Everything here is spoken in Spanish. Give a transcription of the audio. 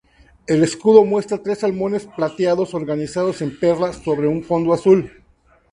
El escudo muestra tres salmones plateados, organizados en perla sobre un fondo azul.